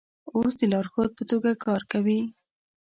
اوس د لارښود په توګه کار کوي.